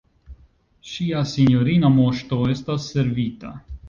Ŝia sinjorina Moŝto estas servita!